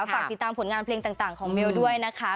ฝากติดตามผลงานเพลงต่างของเมลด้วยนะคะ